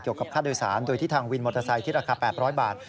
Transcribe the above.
เกี่ยวกับค่าโดยศาลโดยที่ทางวินมอเตอร์ไซค์ที่ราคา๘๐๐บาท